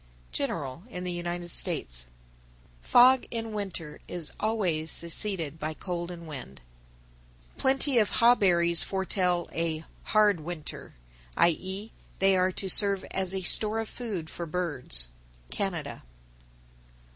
General in the United States. 933. Fog in winter is always succeeded by cold and wind. 934. Plenty of hawberries foretell a "hard winter," i.e., they are to serve as a store of food for birds. _Canada.